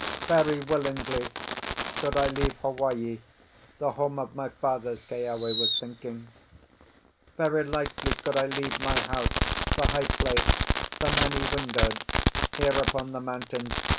"Very willingly could I leave Hawaii, the home of my fathers," Keawe was thinking. "Very lightly could I leave my house, the high placed, the many windowed, here upon the mountains.